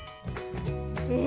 え？